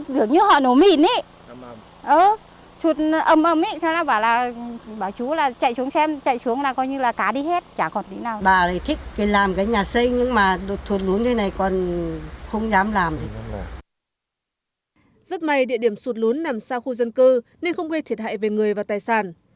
rất may địa điểm sụt lún nằm xa khu dân cư nên không gây thiệt hại về người và tài sản